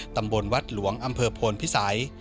ตำบลวัดหลวงอำเภอโพนพิสัย